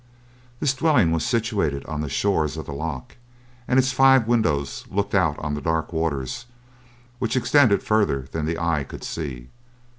This dwelling was situated on the shores of the loch, and its five windows looked out on the dark waters, which extended further than the eye could see.